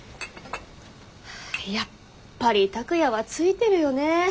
やっぱり拓哉はついてるよね。